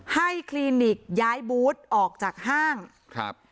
คลินิกย้ายบูธออกจากห้างครับ